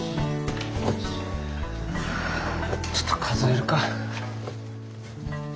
ちょっと数えるか。